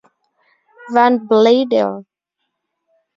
Van Bladel.